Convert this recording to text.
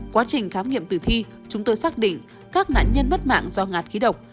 quá trình khám nghiệm tử thi chúng tôi xác định các nạn nhân mất mạng do ngạt khí độc